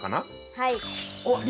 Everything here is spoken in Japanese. はい。